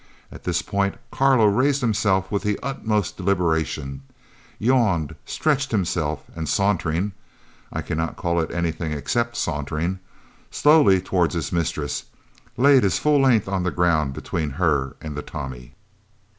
At this point Carlo raised himself with the utmost deliberation, yawned, stretched himself, and sauntering (I cannot call it anything except sauntering) slowly towards his mistress, laid his full length on the ground between her and the Tommy.